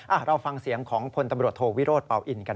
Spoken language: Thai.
อ้าวเราฟังเสียงของพนตรวจโทวิรวทเปล่าอิ่นกันฮะ